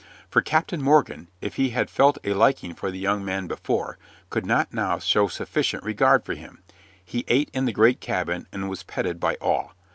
For Captain Morgan, if he had felt a liking for the young man before, could not now show sufficient regard for him. He ate in the great cabin and was petted by all.